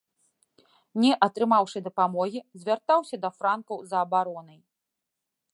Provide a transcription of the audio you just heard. Не атрымаўшы дапамогі звяртаўся да франкаў за абаронай.